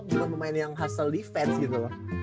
bukan pemain yang hustle defense gitu